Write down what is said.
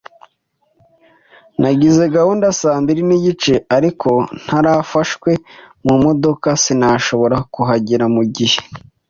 Nagize gahunda saa mbiri nigice, ariko narafashwe mumodoka sinashobora kuhagera mugihe.